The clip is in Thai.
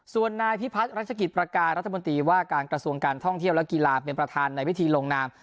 ส่วนนายพิพัฒน์รัชกิจประการรัฐมนตรีว่าการกระทรวงการท่องเที่ยวและกีฬาเป็นประธานในวิธีลงนาม